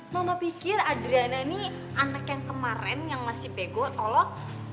mama pikir adriana ini anak yang kemarin yang masih bego tolong